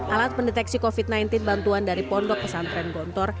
alat pendeteksi covid sembilan belas bantuan dari pondok pesantren gontor